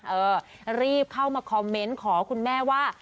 เออรีบเข้ามาคอมเมนต์ขอคุณแม่ว่า